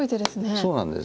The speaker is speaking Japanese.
そうなんです。